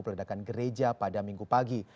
peledakan gereja pada minggu pagi